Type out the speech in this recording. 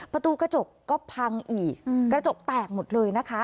ประตูกระจกก็พังอีกกระจกแตกหมดเลยนะคะ